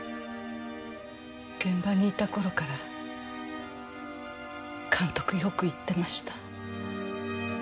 現場にいた頃から監督よく言ってました。